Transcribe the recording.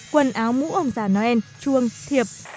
quần áo mũ ông già noel chuông thiệp